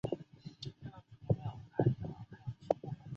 有德派克花介为粗面介科派克花介属下的一个种。